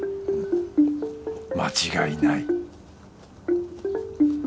間違いない